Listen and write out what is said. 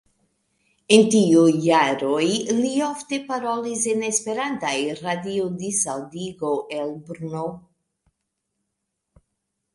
En tiuj jaroj li ofte parolis en esperantaj radio-disaŭdigo el Brno.